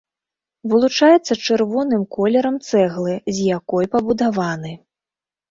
Вылучаецца чырвоным колерам цэглы, з якой пабудаваны.